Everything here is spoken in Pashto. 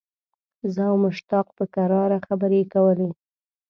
زه او مشتاق په کراره خبرې کولې.